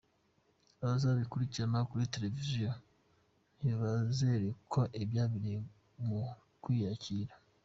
Abazabikurikirana kuri televiziyo ntibazerekwa ibyabereye mu kwiyakira.